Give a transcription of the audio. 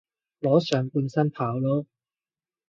裸上半身跑囉